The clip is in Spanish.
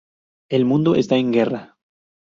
El mundo está en guerra.